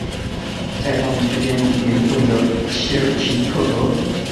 在他们之间流动的奇尔奇克河。